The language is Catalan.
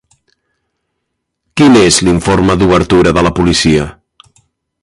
Quin és l'informe d'obertura de la policia?